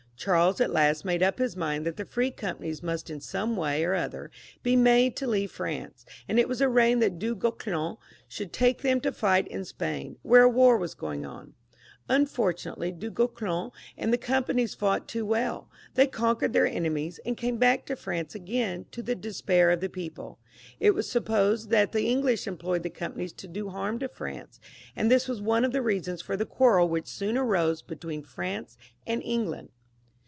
Charles at last made up his mind that the free companies must in some way or other be made to leave France, and it was arranged that Du Guesclin should take them to fight in Spain, where a war was going on. Unfortunately Du Guesclin and the companies fought too well They conquered their enemies, and came back to France again, to the despair of the people. It was sup posed that the English employed the companies to do harm to France, and this was one of the reasons for the quarrel which soon arose between France and England.